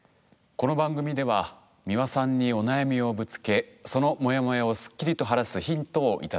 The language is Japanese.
この番組では美輪さんにお悩みをぶつけそのモヤモヤをすっきりと晴らすヒントを頂きます。